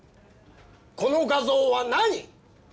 この画像は何？